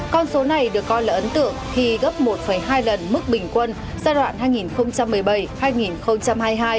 con số này được coi là ấn tượng khi gấp một hai lần mức bình quân giai đoạn hai nghìn một mươi bảy hai nghìn hai mươi hai